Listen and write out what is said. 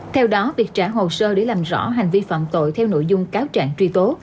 theo đó việc trả hồ sơ để làm rõ hành vi phạm tội theo nội dung cáo trạng truy tố